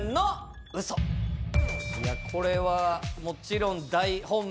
いやこれはもちろん大本命